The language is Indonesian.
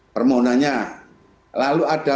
permohonannya lalu ada